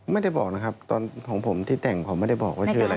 ไม่ได้บอกนะครับตอนของผมที่แต่งผมไม่ได้บอกว่าชื่ออะไร